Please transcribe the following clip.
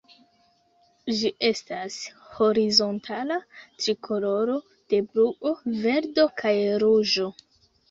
Ĝi estas horizontala trikoloro de bluo, verdo kaj ruĝo.